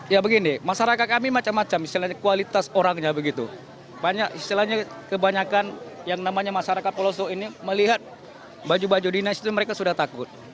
ya begini masyarakat kami macam macam misalnya kualitas orangnya begitu banyak istilahnya kebanyakan yang namanya masyarakat pelosok ini melihat baju baju dinas itu mereka sudah takut